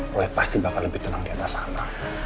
roy pasti bakal lebih tenang diatas sana